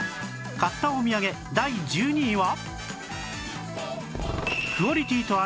買ったお土産第１２位は